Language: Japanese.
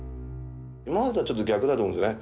今までとはちょっと逆だと思うんですね。